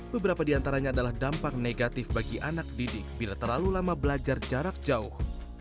beberapa diantaranya adalah dampak negatif bagi anak didik bila terlalu lama belajar jarak jauh